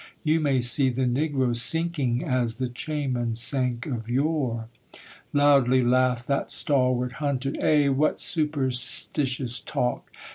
You may see the Negro sinking As the Chayma sank of yore.' Loudly laughed that stalwart hunter 'Eh, what superstitious talk!